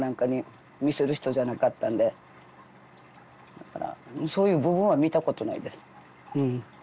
だからそういう部分は見たことないですうん。